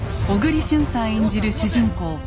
小栗旬さん演じる主人公